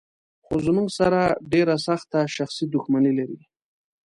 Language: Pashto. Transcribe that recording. خو زموږ سره ډېره سخته شخصي دښمني لري.